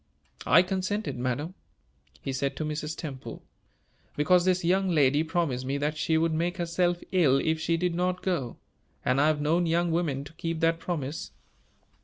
"I consented, madam," he said to Mrs. Temple, "because this young lady promised me that she would make herself ill if she did not go; and I have known young women to keep that promise.